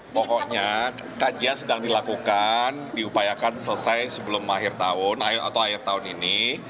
pokoknya kajian sedang dilakukan diupayakan selesai sebelum akhir tahun atau akhir tahun ini